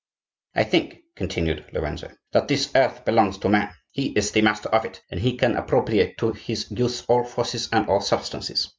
"I think," continued Lorenzo, "that this earth belongs to man; he is the master of it, and he can appropriate to his use all forces and all substances.